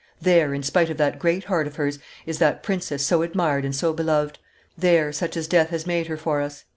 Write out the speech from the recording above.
"There, in spite of that great heart of hers, is that princess so admired and so beloved; there, such as Death has made her for us!"